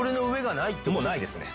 もうないですね。